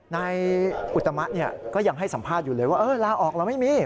นายอุตมะก็ยังให้สัมภาษณ์อยู่เลยว่าลาออกเราไม่มี